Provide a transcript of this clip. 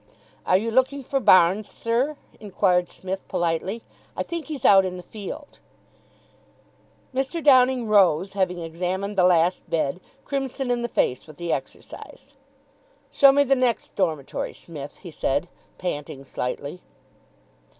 "Are you looking for Barnes, sir?" inquired Psmith politely. "I think he's out in the field." Mr. Downing rose, having examined the last bed, crimson in the face with the exercise. "Show me the next dormitory, Smith," he said, panting slightly.